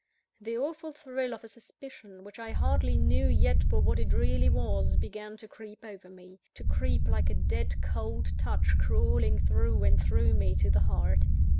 The awful thrill of a suspicion which I hardly knew yet for what it really was, began to creep over me to creep like a dead cold touch crawling through and through me to the heart.